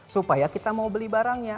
supaya kita mau beli barangnya